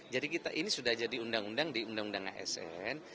jadi ini sudah jadi undang undang di undang undang asn